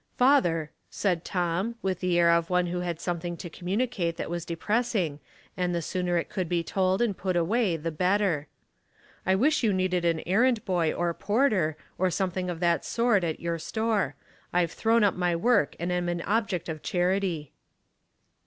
" Father," said Tom, with the air of one who had something to commuuicate that was de pressing, and the sooner it could be told and put away the better, '' I wish you needed an errand boy or porter, or something of that sort, at your store. I've thrown up my work and am an object of charity."